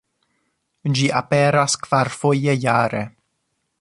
Ĝi aperas kvarfoje jare.